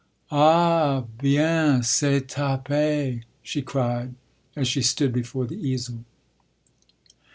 "Ah bien, c'est tapé!" she cried as she stood before the easel.